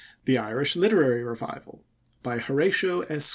THE IRISH LITERARY REVIVAL By HORATIO S.